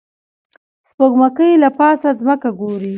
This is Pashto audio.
سپوږمکۍ له پاسه ځمکه ګوري